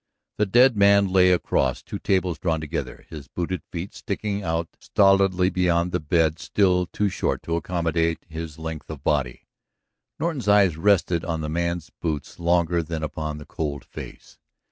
The dead man lay across two tables drawn together, his booted feet sticking out stolidly beyond the bed still too short to accommodate his length of body. Norton's eyes rested on the man's boots longer than upon the cold face.